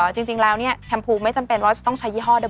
จริงแล้วแชมพูไม่จำเป็นว่าจะต้องใช้ยี่ห้อด้วย